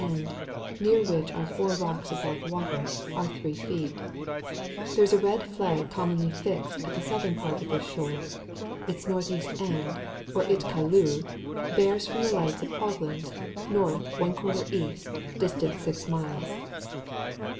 end, near which are/our rocks above water, are 3 feet. There is a red flag commonly fixed at the southern part of this shoal : its N.E. end, or ItakaUuj bears from the lights of Hoogland N. i E., mstant 6 miles.